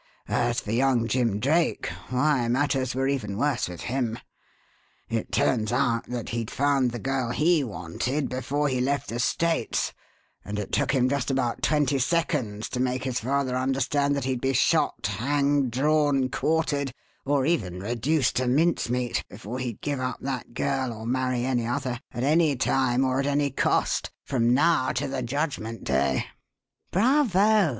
As for young Jim Drake why, matters were even worse with him. It turns out that he'd found the girl he wanted before he left the States, and it took him just about twenty seconds to make his father understand that he'd be shot, hanged, drawn, quartered, or even reduced to mincemeat, before he'd give up that girl or marry any other, at any time or at any cost, from now to the Judgment Day." "Bravo!"